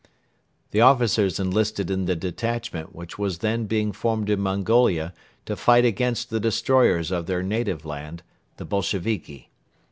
The officers enlisted in the detachment which was then being formed in Mongolia to fight against the destroyers of their native land, the Bolsheviki.